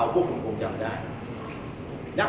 พวกมันผมจำได้